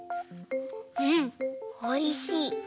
うんおいしい。